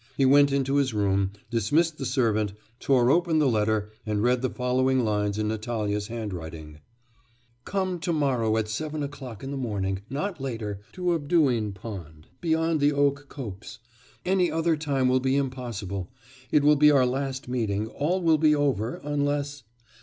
He went into his room, dismissed the servant, tore open the letter, and read the following lines in Natalya's handwriting: 'Come to morrow at seven o'clock in the morning, not later, to Avduhin pond, beyond the oak copse. Any other time will be impossible. It will be our last meeting, all will be over, unless...